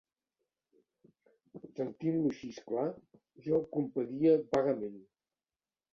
Sentint-lo xisclar, jo el compadia vagament.